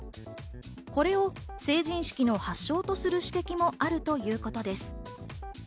これを成人式の発祥とする指摘もあるということです。